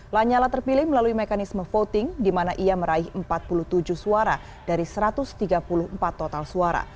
lanyala terpilih melalui mekanisme voting di mana ia meraih empat puluh tujuh suara dari satu ratus tiga puluh empat total suara